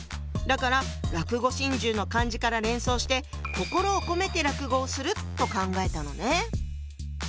だから「落語心中」の漢字から連想して「心を込めて落語をする」と考えたのね。